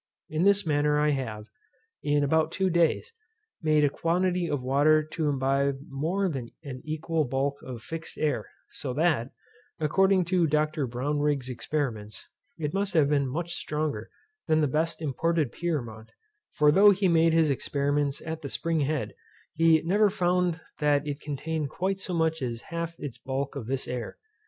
In this manner I have, in about two days, made a quantity of water to imbibe more than an equal bulk of fixed air, so that, according to Dr. Brownrigg's experiments, it must have been much stronger than the best imported Pyrmont; for though he made his experiments at the spring head, he never found that it contained quite so much as half its bulk of this air.